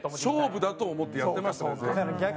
勝負だと思ってやってましたね。